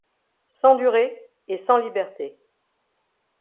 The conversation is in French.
Sans durée et sans-liberté